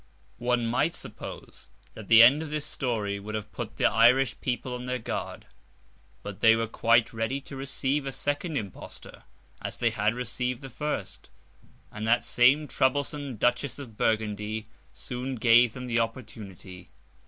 One might suppose that the end of this story would have put the Irish people on their guard; but they were quite ready to receive a second impostor, as they had received the first, and that same troublesome Duchess of Burgundy soon gave them the opportunity.